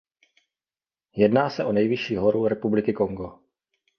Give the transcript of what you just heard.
Jedná se o nejvyšší horu Republiky Kongo.